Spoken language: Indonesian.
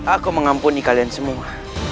aku mengampuni kalian semua